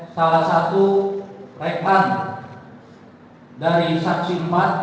salah satu rekan dari saksi empat